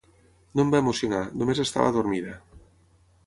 No em va emocionar, només estava adormida.